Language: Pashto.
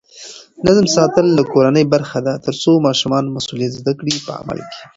نظم ساتل د کورنۍ برخه ده ترڅو ماشومان مسؤلیت زده کړي په عمل کې.